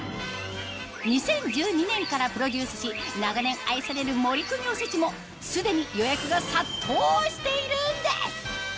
２０１２年からプロデュースし長年愛される森クミおせちもすでに予約が殺到しているんです